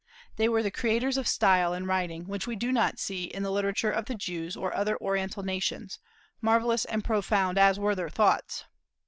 They were the creators of style in writing, which we do not see in the literature of the Jews or other Oriental nations, marvellous and profound as were their thoughts.